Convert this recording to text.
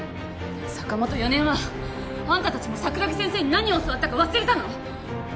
坂本米山あんた達も桜木先生に何を教わったか忘れたの？